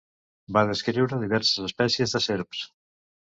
Va descriure diverses espècies de serps.